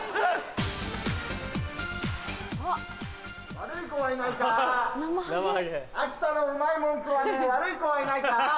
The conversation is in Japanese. ・悪い子はいないか・秋田のうまいもん食わねえ悪い子はいないか。